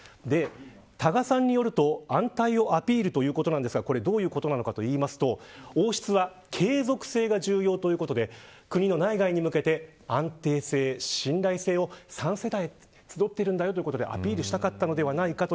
多賀さんによると安泰をアピールということなんですがどういうことなのかというと王室は継続性が重要ということで国の内外に向けて安定性と信頼性を３世代集っているということでアピールしたかったのではないか。